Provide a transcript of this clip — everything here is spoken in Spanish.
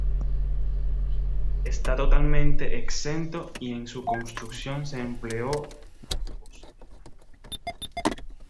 Está totalmente exento y en su construcción se empleó mampostería y ladrillo.